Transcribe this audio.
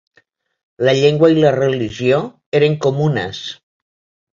La llengua i la religió eren comunes.